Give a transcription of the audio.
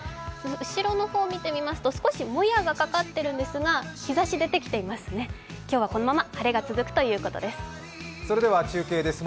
後ろの方を見てみますと、少しもやがかかっているんですが、日ざし出てきています、今日はこのまま晴れが続くということです。